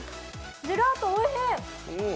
ジェラートおいしい！